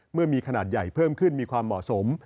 เมื่อมีขนาดใหญ่เพิ่มขึ้นมีความเหมาะสม